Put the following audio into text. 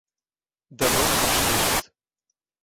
D’abord marchait l’Égypte.